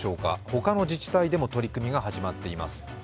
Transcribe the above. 他の自治体でも取り組みが始まっています。